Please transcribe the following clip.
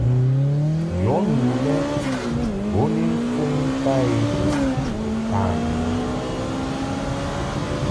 Yɔ nu lɛ bo ni mfuŋ ba i ni tanyi a.